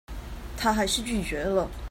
她還是拒絕了